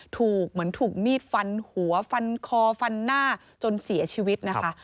เหมือนถูกมีดฟันหัวฟันคอฟันหน้าจนเสียชีวิตนะคะ